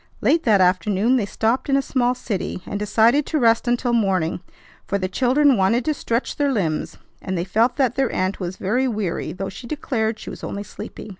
Late that afternoon they stopped in a small city, and decided to rest until morning; for the children wanted to stretch their limbs, and they felt that their aunt was very weary though she declared she was only sleepy.